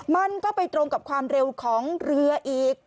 มันก็ไปตรงกับความเร็วของเรืออีก